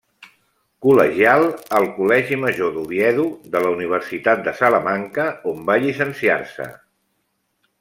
Col·legial al Col·legi Major d'Oviedo de la Universitat de Salamanca, on va llicenciar-se.